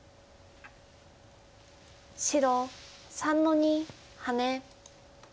白３の二ハネ。